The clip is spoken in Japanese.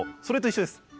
それと一緒です。